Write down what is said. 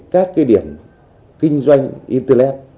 các điểm kinh doanh internet